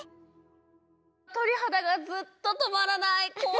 とりはだがずっととまらない。